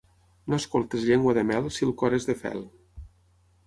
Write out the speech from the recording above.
No escoltis llengua de mel, si el cor és de fel.